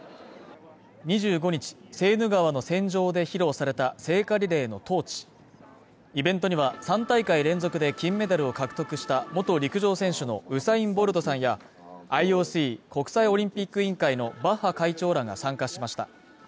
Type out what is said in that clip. ２５日セーヌ川の船上で披露された聖火リレーのトーチイベントには３大会連続で金メダルを獲得した元陸上選手のウサイン・ボルトさんやＩＯＣ＝国際オリンピック委員会のバッハ会長らが参加しました